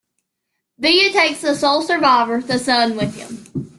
Villa takes the sole survivor, the son, with him.